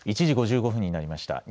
１時５５分になりました。